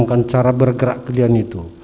tidak ada cara bergerak ke dada itu